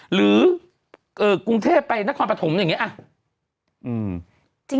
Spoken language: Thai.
หรือกรุงเทพไปนครปฐมอย่างนี้